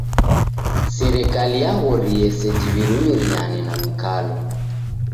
Serikali yaghorie seji w'irumiriane ni mikalo.